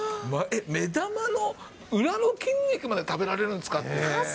目玉の裏の筋肉まで食べられるんですから。